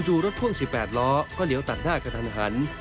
รถพ่วง๑๘ล้อก็เลี้ยวตัดหน้ากระทันหัน